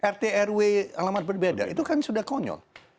rt rw alamat berbeda itu kan sudah konyol